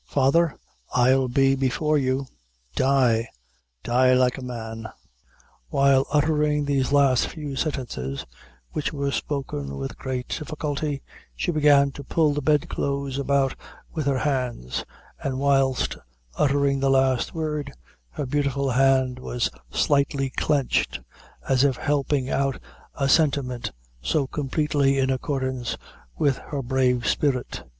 Father, I'll be before you die die like a man." While uttering these last few sentences, which were spoken with great difficulty, she began to pull the bedclothes about with her hands, and whilst uttering the last word, her beautiful hand was slightly clenched, as if helping out a sentiment so completely in accordance with her brave spirit.